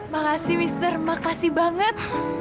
makasih mister makasih banget